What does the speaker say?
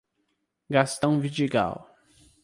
Gastão Vidigal